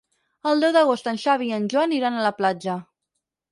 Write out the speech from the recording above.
El deu d'agost en Xavi i en Joan iran a la platja.